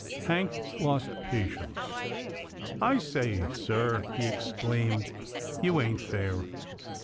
Hank lost patience. " I say, sir," he exclaimed, " you ain't fair.